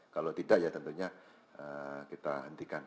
kalau tidak ya tentunya kita hentikan